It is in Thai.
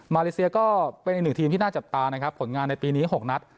เลเซียก็เป็นอีกหนึ่งทีมที่น่าจับตานะครับผลงานในปีนี้๖นัด